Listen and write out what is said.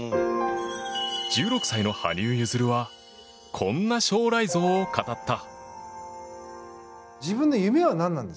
１６歳の羽生結弦はこんな将来像を語った。